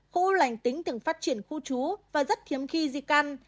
khu u lành tính tưởng phát triển khu chú và rất thiếm khi di căn